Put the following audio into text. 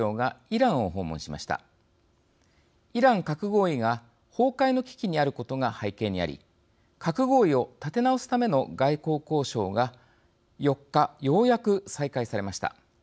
「イラン核合意」が崩壊の危機にあることが背景にあり核合意を立て直すための外交交渉が４日、ようやく再開されました。